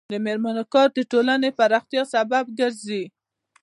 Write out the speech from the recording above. د میرمنو کار د ټولنې پراختیا سبب ګرځي.